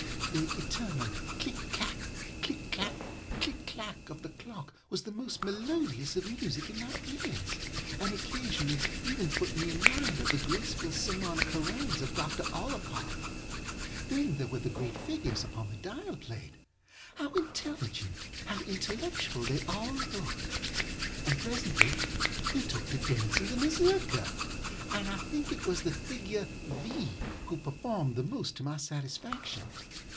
The eternal click clak, click clak, click clak of the clock was the most melodious of music in my ears, and occasionally even put me in mind of the graceful sermonic harangues of Dr. Ollapod. Then there were the great figures upon the dial plateŌĆöhow intelligent how intellectual, they all looked! And presently they took to dancing the Mazurka, and I think it was the figure V. who performed the most to my satisfaction.